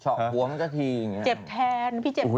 เฉ๊ะหัวมันก็ทีอย่างเงี้ยเจ็บแทน